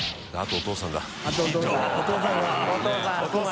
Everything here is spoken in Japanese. お父さん！